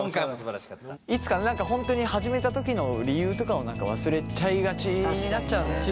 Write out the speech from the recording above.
いつか本当に始めた時の理由とかも忘れちゃいがちになっちゃうんだよね。